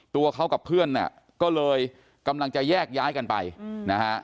ตัวเขากับเพื่อนเนี่ยก็เลยกำลังจะแยกย้ายกันไปนะฮะ